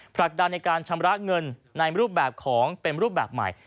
ผลักดันในการชำระเงินในรูปแบบของเป็นรูปแบบใหม่